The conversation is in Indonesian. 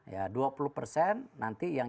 ya dua puluh persen nanti yang